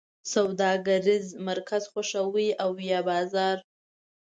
سوداګریز مرکز خوښوی او یا بازار؟